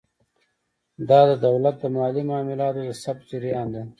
دا د دولت د مالي معاملاتو د ثبت جریان دی.